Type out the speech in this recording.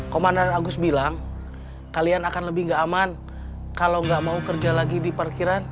komandan agus bilang kalian akan lebih nggak aman kalau nggak mau kerja lagi di parkiran